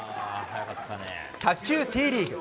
卓球Ｔリーグ。